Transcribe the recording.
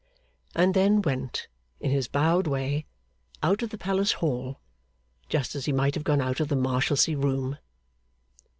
and then went, in his bowed way, out of the palace hall, just as he might have gone out of the Marshalsea room.